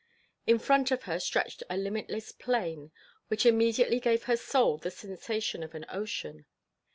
In front of her stretched a limitless plain, which immediately gave her soul the sensation of an ocean.